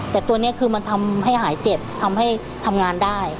แต่ตัวนี้คือมันทำให้หายเจ็บทำให้ทำงานได้